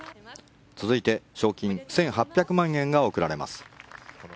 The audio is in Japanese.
続いて、賞金１８００万円が贈られます。